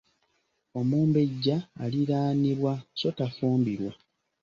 Omumbejja Aliraanibwa so tafumbirwa.